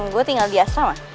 gue tinggal di asama